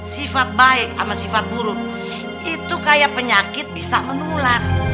sifat baik sama sifat buruk itu kayak penyakit bisa menular